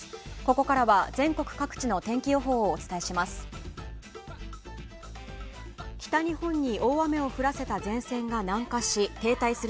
ここからは全国各地の天気予報をお伝えします。